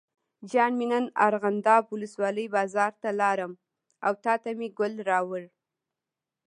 جان مې نن ارغنداب ولسوالۍ بازار ته لاړم او تاته مې ګل راوړل.